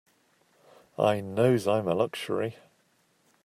I knows I'm a luxury.